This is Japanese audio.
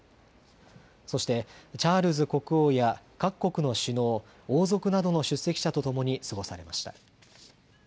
そしてチャールズ国王や各国の首脳、王族などの出席者とともに過ごされました。